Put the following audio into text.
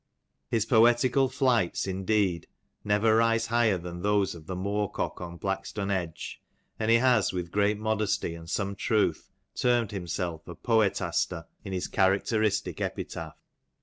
His poetical flights indeed never rise higher than those of the moor cock on Blackstonedge ; and he has with great modesty and some truth termed him self a poetaster, in his characteristic epitaph.